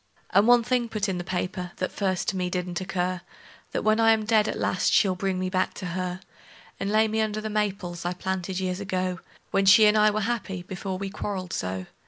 And one thing put in the paper, that first to me didn't occur: That when I am dead at last she'll bring me back to her; And lay me under the maples I planted years ago, When she and I was happy before we quarreled so.